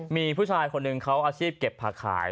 มีผู้ชายคนหนึ่งเขาอาชีพเก็บผักขาย